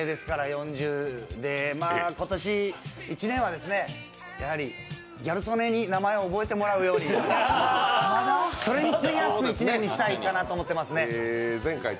４０で今年１年はギャル曽根に名前を覚えてもらうように、それに費やす１年にしたいかなと思っています。